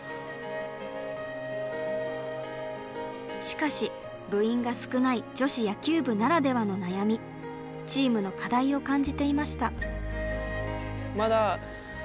しかし部員が少ない女子野球部ならではの悩みチームの課題を感じていました。